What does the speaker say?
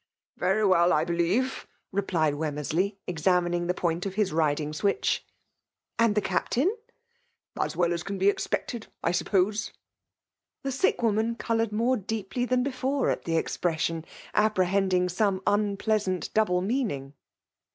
" Very well, I believe," replied Wemmers ley, examining the point of his riding switch. « And the Captam ?"*' As well as can be expected, I suppose.*' The sick woman coloured more deeply than before at the expression, apprehending some unpleasant double meaning.